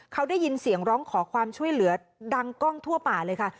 เขาได้ยินเสียงร้องขอความช่วยเหลือดังกล้องทั่วป่าเลยค่ะ